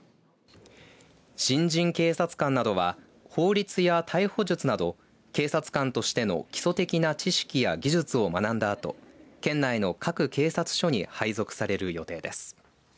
新人警察官などは法律や逮捕術など警察官としての基礎的な知識や技術を学んだあと県内の各警察署に配属される予定です。